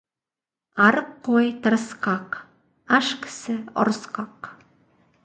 Арық қой тырысқақ, аш кісі ұрысқақ.